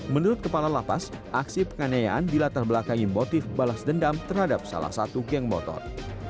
menurut kepala lapas aksi penganiayaan dilatar belakangi motif balas dendam terhadap salah satu geng motor